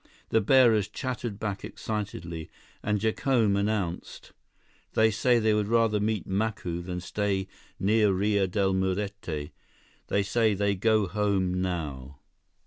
The bearers chattered back excitedly, and Jacome announced: "They say they would rather meet Macu than stay near Rio Del Muerte. They say they go home now."